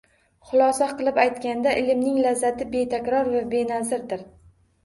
Xulosa qilib aytganda, ilmning lazzati bеtakror va bеnazirdir